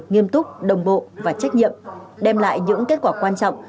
nghiêm túc đồng bộ và trách nhiệm đem lại những kết quả quan trọng